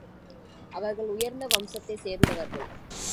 அவர்கள் உயர்ந்த வம்சத்தைச் சேர்ந்தவர்கள்.